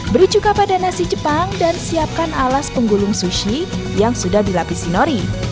bericuka pada nasi jepang dan siapkan alas penggulung sushi yang sudah dilapisi nori